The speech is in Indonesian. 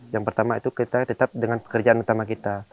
yang pertama itu kita tetap dengan pekerjaan utama kita